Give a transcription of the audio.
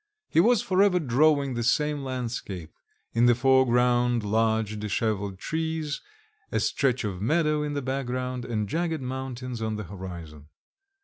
He was for ever drawing the same landscape: in the foreground large disheveled trees, a stretch of meadow in the background, and jagged mountains on the horizon.